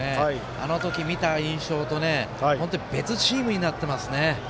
あの時、見た印象と本当に別チームになってますね。